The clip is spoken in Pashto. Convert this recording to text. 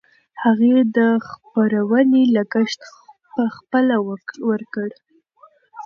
هغې د خپرونې لګښت پخپله ورکړ.